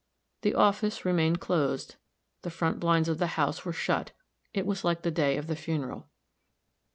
The office remained closed; the front blinds of the house were shut it was like the day of the funeral.